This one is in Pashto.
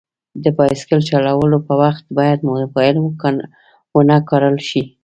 د بایسکل چلولو په وخت باید موبایل ونه کارول شي.